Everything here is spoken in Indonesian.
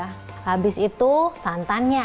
habis itu santannya